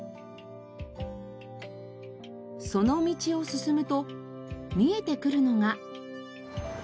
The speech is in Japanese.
その道を進むと見えてくるのが。